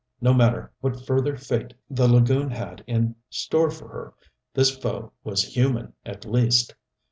No matter what further fate the lagoon had in store for her, this foe was human, at least.